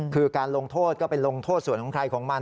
คือการลงโทษก็ไปลงโทษส่วนของใครของมัน